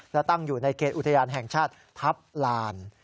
และตั้งอยู่ในเขตอุทยานแห่งชาติทัพลาน